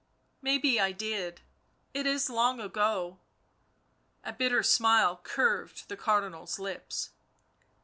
" Maybe I did — it is long ago." A bitter smile curved the Cardinal's lips.